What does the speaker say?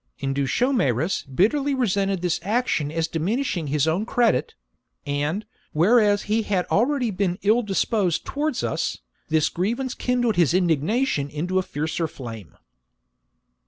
Indutiomarus bitterly resented this action as diminishing his own credit ; and, whereas he had already been ill disposed towards us, this grievance kindled his indignation into a fiercer flame.